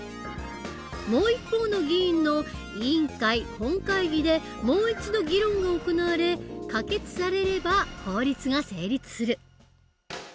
もう一方の議員の委員会本会議でもう一度議論が行われ可決されれば法律が成立する。